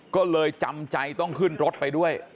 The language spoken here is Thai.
ก็เลยจำใจต้องขึ้นรถไปด้วย